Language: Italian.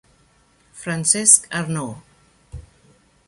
Francesc Arnau